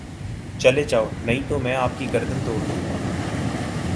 چلے جاؤ نہیں تو میں آپ کی گردن تڑ دوں گا